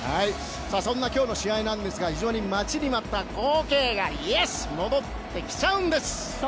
そんな今日の試合なんですが非常に待ちに待った光景が戻ってきちゃうんです！